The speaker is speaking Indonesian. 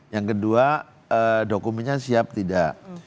yang kedua dokumennya siap tidak